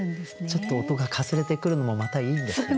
ちょっと音がかすれてくるのもまたいいんですよね。